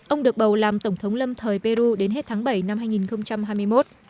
ông được bầu làm tổng thống lâm thời peru đến hết tháng bảy năm hai nghìn hai mươi một